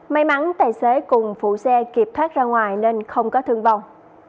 may mắn tài xế cùng phụ xe kịp thoát ra ngoài nên không có thương vong